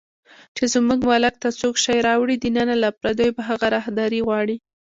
چې زموږ ملک ته څوک شی راوړي دننه، له پردیو به هغه راهداري غواړي